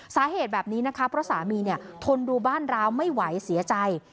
สาเหตุแบบนี้นะคะเพราะสามีเนี่ยทนดูบ้านร้าวไม่ไหวเสียใจ